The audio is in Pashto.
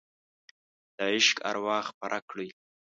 د عشق اروا خپره کړئ